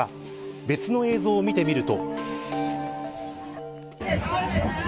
別の映像を見ていると。